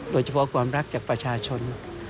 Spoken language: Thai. โดยเฉพาะความรักจากประชาชน